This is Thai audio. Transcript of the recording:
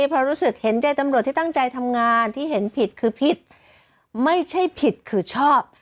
เพราะรู้สึกเห็นใจตำรวจที่ตั้งใจทำงานที่เห็นผิดคือผิดไม่ใช่ผิดคือชอบ